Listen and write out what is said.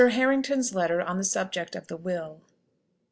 HARRINGTON'S LETTER ON THE SUBJECT OF THE WILL.